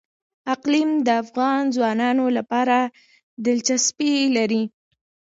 اقلیم د افغان ځوانانو لپاره دلچسپي لري.